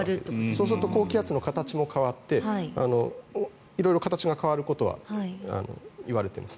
そうすると高気圧の形も変わって色々、形が変わることは言われています。